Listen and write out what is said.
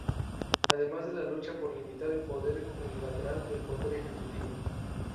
Además de la lucha por limitar el poder unilateral del poder ejecutivo.